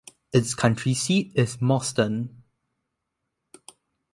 Its county seat is Mauston.